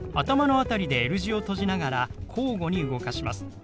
頭の辺りでＬ字を閉じながら交互に動かします。